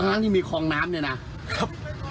ตอนนั้นยังมีคลองน้ำเนี่ยนะครับ